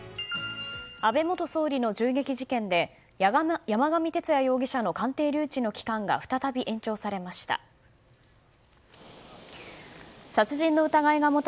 安倍元総理の銃撃事件で山上徹也容疑者の鑑定留置の期間が再び延長されました。